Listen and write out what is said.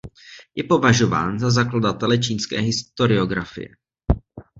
Je považován za zakladatele čínské historiografie.